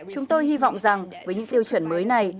chúng tôi hy vọng rằng với những tiêu chuẩn mới này